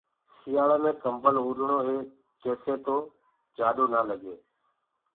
سيآݪآ مي ڪمبل اُڏآ هينٚ تآڪي سي نآ لگي۔